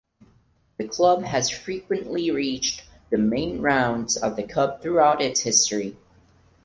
The club has frequently reached the main rounds of the cup throughout its history.